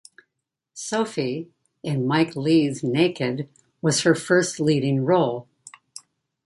Sophie, in Mike Leigh's "Naked", was her first leading role.